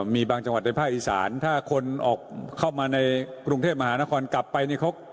มีบางจังหวัดในภาคอีสานถ้าคนออกเข้ามาในกรุงเทพมหานครกลับไปเนี่ย